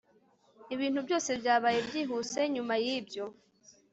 Ibintu byose byabaye byihuse nyuma yibyo